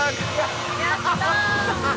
やった！